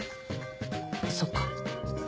そっか。